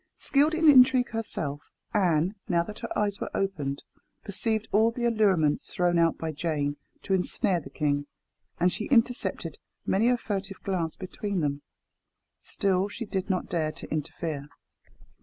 Skilled in intrigue herself, Anne, now that her eyes were opened, perceived all the allurements thrown out by Jane to ensnare the king, and she intercepted many a furtive glance between them. Still she did not dare to interfere.